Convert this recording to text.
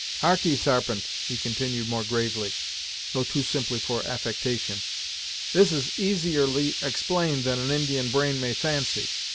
"Harkee, Sarpent," he continued more gravely, though too simply for affectation; "this is easierly explained than an Indian brain may fancy.